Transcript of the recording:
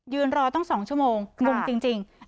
ยืนรอตั้ง๒โมงงุมจริง